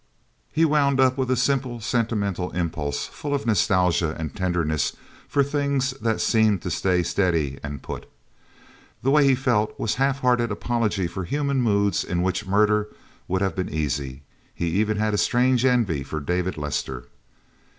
He wound up with a simple sentimental impulse, full of nostalgia and tenderness for things that seemed to stay steady and put. The way he felt was half hearted apology for human moods in which murder would have been easy. He even had a strange envy for David Lester.